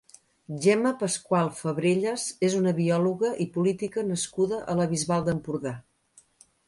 Gemma Pascual Fabrellas és una biòloga i política nascuda a la Bisbal d'Empordà.